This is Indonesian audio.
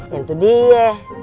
ya itu dia